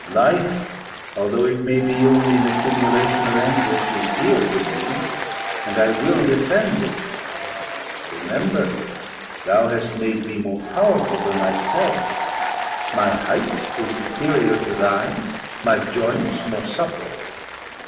Life, although it may only be an accumulation of anguish, is dear to me, and I will defend it. Remember, thou hast made me more powerful than thyself; my height is superior to thine; my joints more supple.